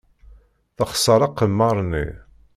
Texṣer aqemmer-nni.